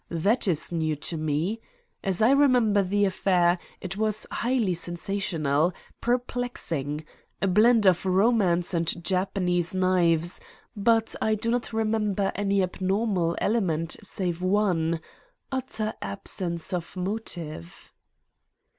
"That is new to me. As I remember the affair, it was highly sensational, perplexing a blend of romance and Japanese knives but I do not remember any abnormal element save one, utter absence of motive."